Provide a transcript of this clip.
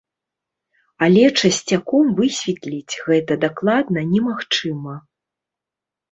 Але часцяком высветліць гэта дакладна немагчыма.